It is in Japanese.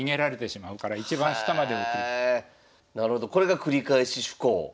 なるほどこれが繰り返し趣向。